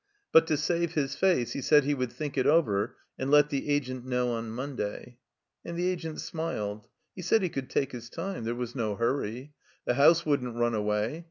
But to save his face he said he wotdd think it over and let the Agent know on Monday. And the Agent smiled. He said he cotdd take his time. There was no hurry. The house wouldn't run away.